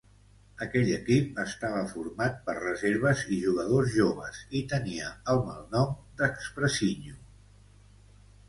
Aquell equip estava format per reserves i jugadors joves i tenia el malnom d'"Expressinho".